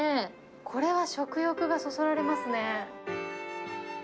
これは食欲がそそられますね。